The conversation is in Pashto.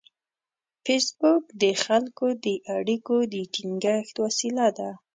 فېسبوک د خلکو د اړیکو د ټینګښت وسیله ده